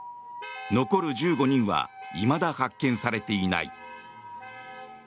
残る１５人はいまだ発見されていない。